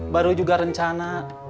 baru juga rencana